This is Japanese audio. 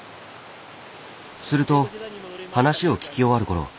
すると話を聞き終わるころ